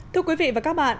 thưa quý vị và các bạn